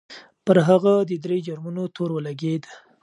پر هغه د درې جرمونو تور ولګېد.